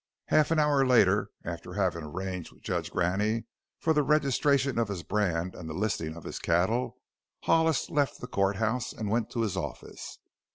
Half an hour later after having arranged with Judge Graney for the registering of his brand and the listing of his cattle, Hollis left the court house and went to his office.